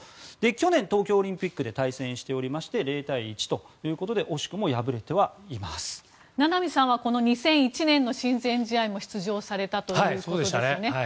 去年、東京オリンピックで対戦しておりまして０対１ということで名波さんは２００１年の親善試合も出場されたということですね。